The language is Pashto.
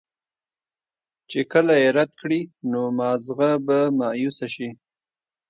چې کله ئې رد کړي نو مازغۀ به مايوسه شي